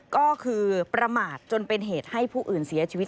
ก็คือประมาทจนเป็นเหตุให้ผู้อื่นเสียชีวิต